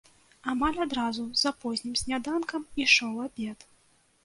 Амаль адразу за познім сняданкам ішоў абед.